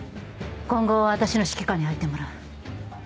今後は私の指揮下に入ってもらう。